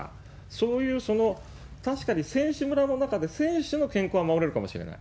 そういう確かに選手村の中で、選手の健康は守れるかもしれない。